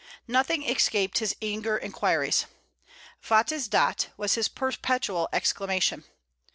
Nothing escaped his eager inquiries. "Wat is dat?" was his perpetual exclamation.